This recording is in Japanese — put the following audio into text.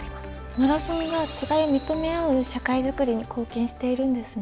マラソンが違いを認め合う社会づくりに貢献しているんですね。